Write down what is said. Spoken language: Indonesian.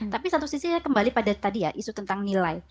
tapi satu sisi saya kembali pada tadi ya isu tentang nilai